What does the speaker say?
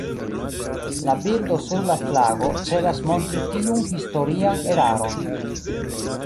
La birdo sur la flago celas montri tiun historian eraron.